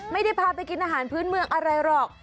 ไม่ได้พาไปกินอาหารพื้นเมืองอะไรหรอก